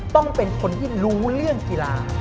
ต้องเป็นคนที่รู้เรื่องกีฬา